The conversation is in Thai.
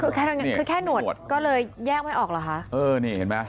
คือแค่หนวดก็เลยแยกไม่ออกเหรอคะเออนี่เห็นไหม